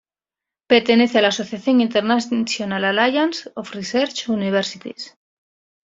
Pertenece a la asociación International Alliance of Research Universities.